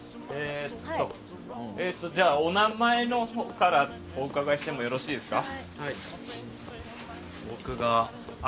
お名前のほうからお伺いしてもよろしいですか。